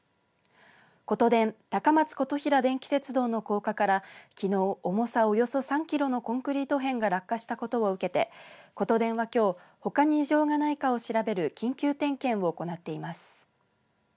ことでん、高松琴平電気鉄道の高架からきのう重さおよそ３キロのコンクリート片が落下したことを受けてことでんはきょうほかに異常がないかを調べる緊急点検を行っています。